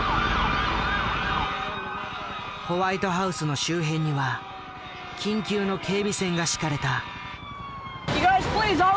ホワイトハウスの周辺には緊急の警備線が敷かれた。